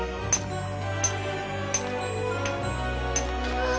うわ！